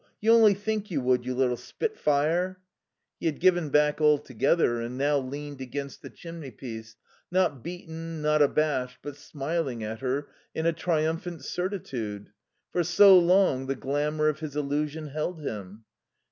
You only think you would, you little spitfire." He had given back altogether and now leaned against the chimneypiece, not beaten, not abashed, but smiling at her in a triumphant certitude. For so long the glamour of his illusion held him.